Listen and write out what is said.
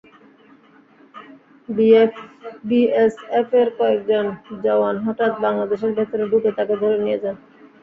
বিএসএফের কয়েকজন জওয়ান হঠাৎ বাংলাদেশের ভেতরে ঢুকে তাঁকে ধরে নিয়ে যান।